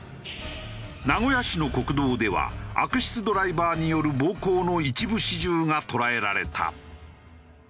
名古屋市の国道では悪質ドライバーによる暴行の一部始終が捉えられた。